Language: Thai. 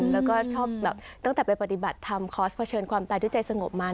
แล้วก็ชอบแบบตั้งแต่ไปปฏิบัติทำคอร์สเผชิญความตายด้วยใจสงบมา